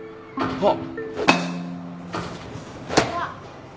あっ。